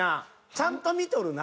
ちゃんと見とるな。